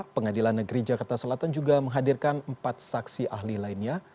pengadilan negeri jakarta selatan juga menghadirkan empat saksi ahli lainnya